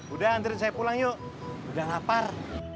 udah antri saya pulang yuk udah lapar